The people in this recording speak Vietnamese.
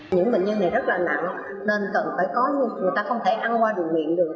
những bệnh nhân này rất là nặng nên cần phải có người ta không thể ăn qua đường miệng được